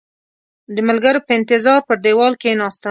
د ملګرو په انتظار پر دېوال کېناستم.